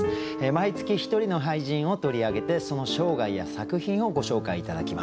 毎月１人の俳人を取り上げてその生涯や作品をご紹介頂きます。